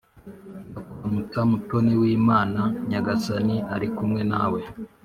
ndakuramutsa mutoni w’imana, nyagasani ari kumwe nawe